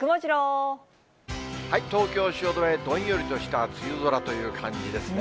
東京・汐留、どんよりとした梅雨空という感じですね。